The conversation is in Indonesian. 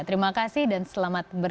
terima kasih dan selamat bertugas